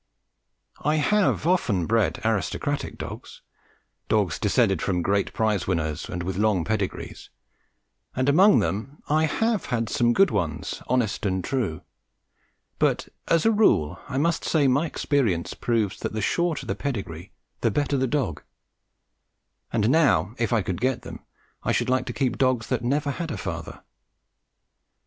I have often bred aristocratic dogs, dogs descended from great prize winners and with long pedigrees, and among them I have had some good ones, honest and true; but as a rule I must say my experience proves that the shorter the pedigree the better the dog, and now if I could get them I should like to keep dogs that never had a father.